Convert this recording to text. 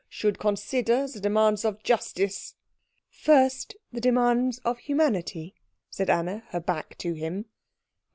" should consider the demands of justice " "First the demands of humanity," said Anna, her back to him.